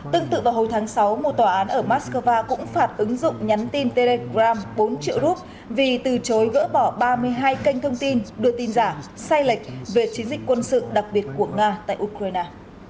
tương tự vào hồi tháng sáu một tòa án ở moscow cũng phạt ứng dụng nhắn tin telegram bốn triệu rút vì từ chối gỡ bỏ ba mươi hai kênh thông tin đưa tin giả sai lệch về chiến dịch quân sự đặc biệt của nga tại ukraine